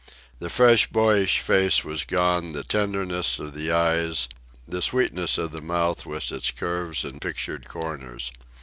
The fresh boyish face was gone, the tenderness of the eyes, the sweetness of the mouth with its curves and pictured corners.